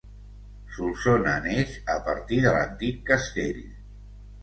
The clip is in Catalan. Solsona neix a partir de l'antic castell.